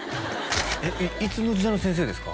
えっいつの時代の先生ですか？